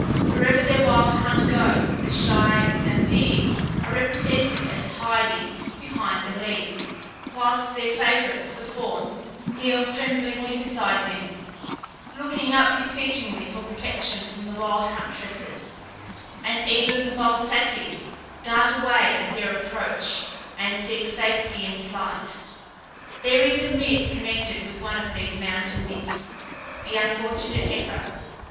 Wherever their wild hunt goes the shy Napææ are represented as hiding behind the leaves, whilst their favourites, the fawns, kneel tremblingly beside them, looking up beseechingly for protection from the wild huntresses; and even the bold Satyrs dart away at their approach, and seek safety in flight. There is a myth connected with one of these mountain nymphs, the unfortunate Echo.